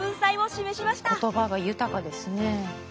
言葉が豊かですね。